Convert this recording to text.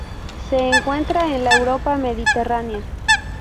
Se encuentra en la Europa mediterránea.